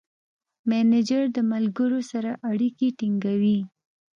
مسېنجر د ملګرو سره اړیکې ټینګوي.